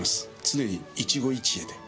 常に一期一会で。